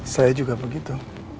saya juga begitu